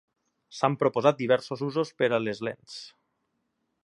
S"han proposat diversos usos per a les lents.